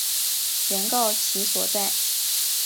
原告其所在！